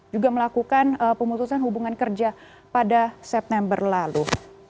juga melakukan pemutusan hubungan kerja pada september lalu